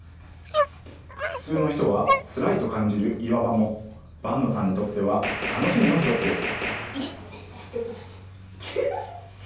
普通の人はつらいと感じる岩場も、伴野さんにとっては楽しみの１つです。